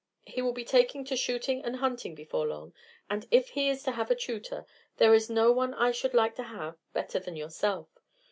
"He will be taking to shooting and hunting before long, and if he is to have a tutor, there is no one I should like to have better than yourself.